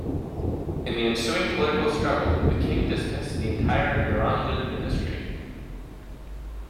In the ensuing political struggle, the king dismissed the entire Girondin ministry.